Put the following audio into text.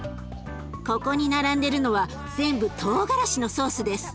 ここに並んでるのは全部トウガラシのソースです。